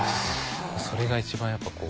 それが一番やっぱこう。